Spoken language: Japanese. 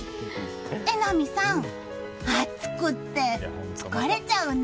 榎並さん、暑くて疲れちゃうね。